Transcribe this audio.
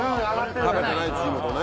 食べてないチームとね。